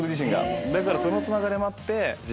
だからそのつながりもあって。